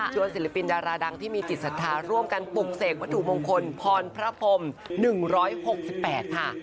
ศิลปินดาราดังที่มีจิตศรัทธาร่วมกันปลุกเสกวัตถุมงคลพรพระพรม๑๖๘ค่ะ